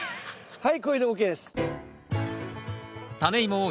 はい。